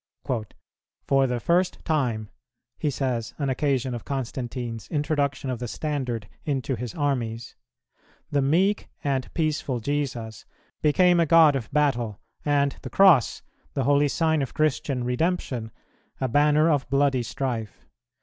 "For the first time," he says, on occasion of Constantine's introduction of the standard into his armies, "the meek and peaceful Jesus became a God of battle, and the Cross, the holy sign of Christian Redemption, a banner of bloody strife.